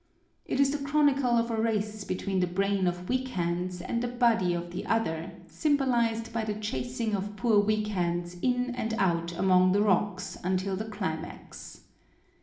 It is the chronicle of a race between the brain of Weak Hands and the body of the other, symbolized by the chasing of poor Weak Hands in and out among the rocks until the climax.